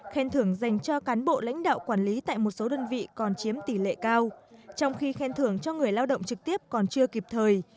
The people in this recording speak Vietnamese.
khen thưởng dành cho cán bộ lãnh đạo quản lý tại một số đơn vị còn chiếm tỷ lệ cao trong khi khen thưởng cho người lao động trực tiếp còn chưa kịp thời